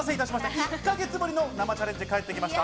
１か月ぶりに生チャレンジが帰ってきました。